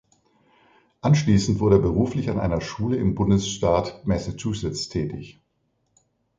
Anschließend wurde er beruflich an einer Schule im Bundesstaat Massachusetts tätig.